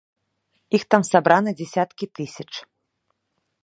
Іх там сабрана дзясяткі тысяч.